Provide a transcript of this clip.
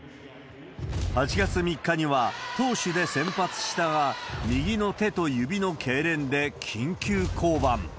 ８月３日には投手で先発したが、右の手と指のけいれんで緊急降板。